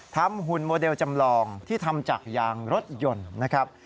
หุ่นโมเดลจำลองที่ทำจากยางรถยนต์นะครับ